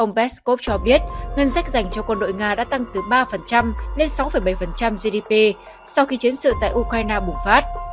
ông peskov cho biết ngân sách dành cho quân đội nga đã tăng từ ba lên sáu bảy gdp sau khi chiến sự tại ukraine bùng phát